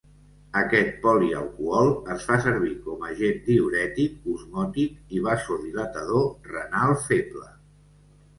Aquest polialcohol es fa servir com agent diürètic osmòtic i vasodilatador renal feble.